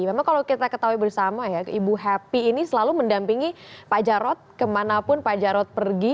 memang kalau kita ketahui bersama ya ibu happy ini selalu mendampingi pak jarod kemanapun pak jarod pergi